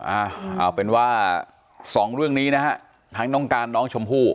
เอาเป็นว่าสองเรื่องนี้นะฮะทั้งน้องการน้องชมพู่